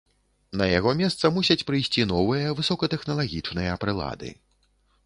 На яго месца мусяць прыйсці новыя высокатэхналагічныя прылады.